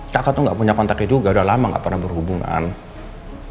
kakak tuh gak punya kontaknya juga udah lama gak pernah berhubungan